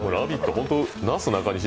本当になすなかにし